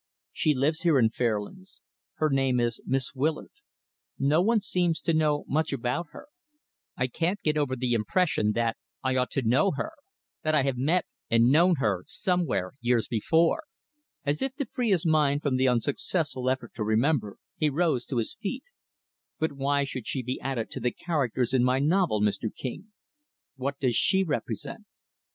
She lives here in Fairlands. Her name is Miss Willard. No one seems to know much about her. I can't get over the impression that I ought to know her that I have met and known her somewhere years ago. Her manner, yesterday, at seeing Mrs. Taine, was certainly very strange." As if to free his mind from the unsuccessful effort to remember, he rose to his feet. "But why should she be added to the characters in my novel, Mr. King? What does she represent?"